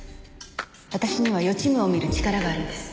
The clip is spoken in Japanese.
私には予知夢を見る力があるんです。